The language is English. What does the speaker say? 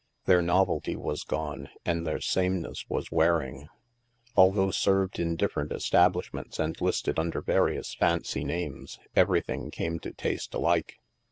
Their novelty was gone and their sameness was wearing. Although served in different estab lishments and listed under various fancy names, everything came to taste alike.